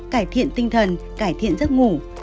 cải thiện tinh thần cải thiện giấc ngủ